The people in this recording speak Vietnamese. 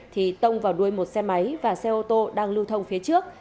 thì tông vào đuôi một xe máy và xe ô tô đang lưu thông phía trước